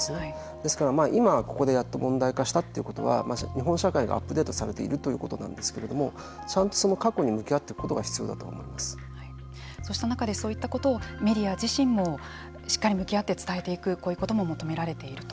ですから、今ここでやっと問題化したということは日本社会がアップデートされているということなんですけれどもちゃんとその過去に向き合ってそうした中でそういったことをメディア自身もしっかり向き合って伝えていくこういうことも求められていると。